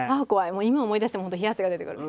もう今思い出しても本当冷や汗が出てくる。